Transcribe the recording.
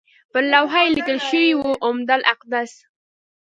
پر لوحه یې لیکل شوي وو اعمده القدس.